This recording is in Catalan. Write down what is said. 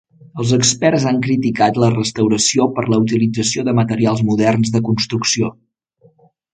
Els experts han criticat la restauració per la utilització de materials moderns de construcció.